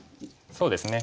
そうですね。